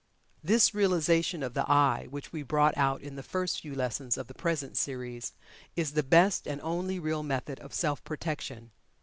This realization of the "I," which we brought out in the first few lessons of the present series, is the best and only real method of self protection.